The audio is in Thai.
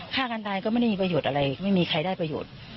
ฆ่ากันตายก็ไม่ได้มีประโยชน์อะไรไม่มีใครได้ประโยชน์